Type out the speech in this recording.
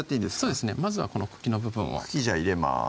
そうですねまずはこの茎の部分を茎じゃあ入れます